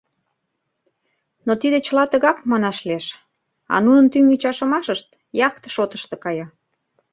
Но тиде чыла тыгак, манаш лиеш, а нунын тӱҥ ӱчашымашышт яхте шотышто кая.